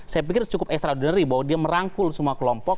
saya pikir cukup extraordinary bahwa dia merangkul semua kelompok